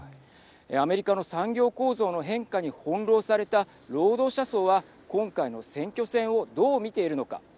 アメリカの産業構造の変化に翻弄された労働者層は今回の選挙戦をどう見ているのか。